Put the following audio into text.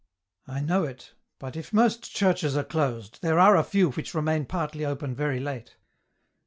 " I know it, but if most churches are closed, there are a few which remain partly open very late.